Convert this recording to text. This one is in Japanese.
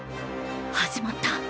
始まった。